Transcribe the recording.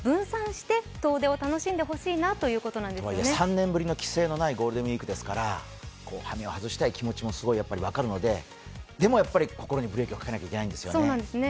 ３年ぶりの規制のないゴールデンウイークですから羽目を外したい気持ちもすごい分かるので、でもやっぱり心にブレーキをかけなきゃいけないんですよね。